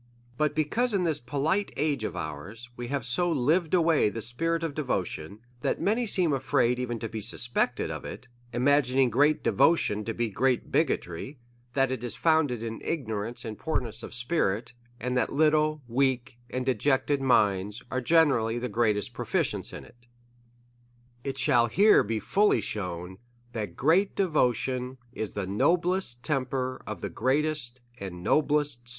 But because, in this polite age of ours, we have so lived away the spirit of devotion, that many seem afraid even to be suspected of it, imagining great de votion to be great bigotry ; that it is founded in igno rance and poorness of spirit, and that little, weak, and dejected minds are generally the greatest proficients in it ; it shall here be fully shew n, that great devotion is the noblest temper of the greatest and noblest DEVOUT AND HOLY LIFE.